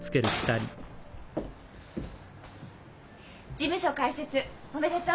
事務所開設おめでとう！